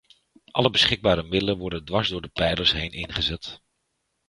Alle beschikbare middelen worden dwars door de pijlers heen ingezet.